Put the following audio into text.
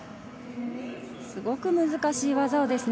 すごく難しい技ですね。